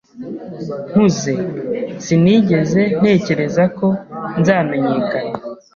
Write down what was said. Nkuze, sinigeze ntekereza ko nzamenyekana.